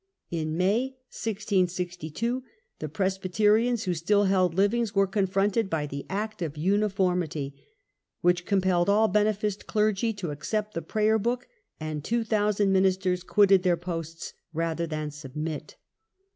In May, 1662, the Presb)rterians who still held livings were confronted by the "Act of Uniformity", which compelled all beneficed clergy to accept the Prayer Book, and two thousand ministers quitted their posts rather than submit.